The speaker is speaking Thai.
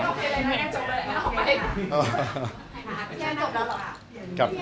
นั่นคนเดียวครับ